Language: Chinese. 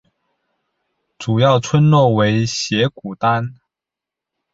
主要村落为斜古丹。